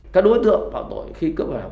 các đối tượng phạm tội khi cướp hàng